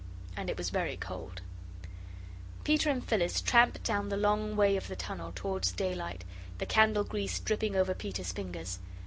And it was very cold. Peter and Phyllis tramped down the long way of the tunnel towards daylight, the candle grease dripping over Peter's fingers.